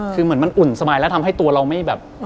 คือเหมือนมันอุ่นสบายแล้วทำให้ตัวเราไม่แบบ